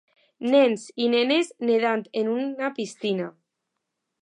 nens i nenes nedant en una piscina.